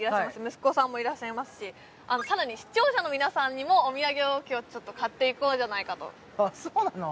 息子さんもいらっしゃいますしさらに視聴者の皆さんにもお土産を今日はちょっと買っていこうじゃないかとあそうなの？